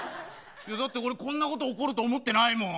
こんなこと起こると思ってないもん。